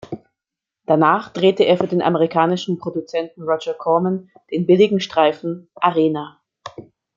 Danach drehte er für den amerikanischen Produzenten Roger Corman den billigen Streifen "Arena".